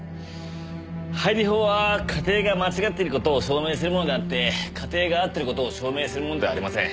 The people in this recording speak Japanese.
背理法は仮定が間違っている事を証明するものであって仮定があってる事を証明するものではありません。